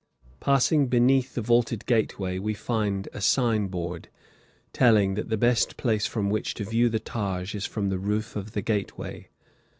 Passing beneath the vaulted gateway, we find a sign board, telling that the best place from which to view the Taj is from the roof of the gateway.